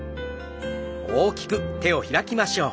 大きく開きましょう。